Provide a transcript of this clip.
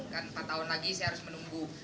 kan empat tahun lagi saya harus menunggu